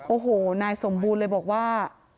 โอ้โหนายสมบูรณ์เลยบอกว่า